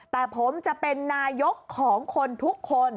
แต่ผมจะเป็นนายกของคนทุกคน